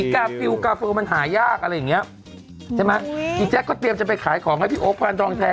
กาฟิลกาฟิลมันหายากอะไรอย่างเงี้ยใช่ไหมอีแจ๊คก็เตรียมจะไปขายของให้พี่โอ๊คพานทองแท้